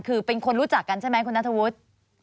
คือเป็นคนรู้จักกันใช่ไหมคุณนัทวุฒิ